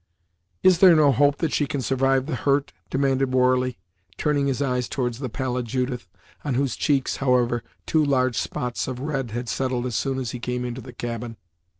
"Is there no hope that she can survive the hurt?" demanded Warley, turning his eyes towards the pallid Judith, on whose cheeks, however, two large spots of red had settled as soon as he came into the cabin.